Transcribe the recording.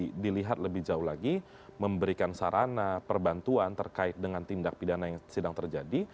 kemudian dilihat lebih jauh lagi memberikan sarana perbantuan terkait dengan tindak pidana yang sedang terjadi